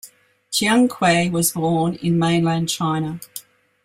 Chiang Kuei was born in mainland China.